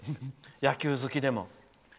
野球好きでも。